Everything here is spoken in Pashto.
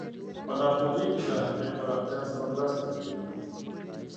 په ناپوهۍ کې د هغې پراختیا سره مرسته کوي.